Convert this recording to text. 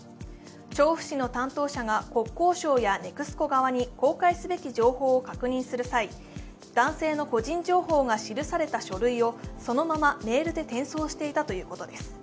調布市の担当者が国交省やＮＥＸＣＯ側に公開すべき情報を確認する際男性の個人情報を記された書類をそのままメールで転送していたということです。